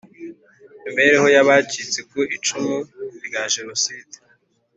Imibereho y abacitse ku icumu rya Jenoside